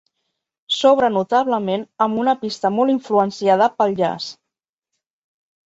Sobre notablement amb una pista molt influenciada pel jazz.